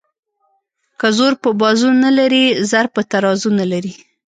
که زور په بازو نه لري زر په ترازو نه لري.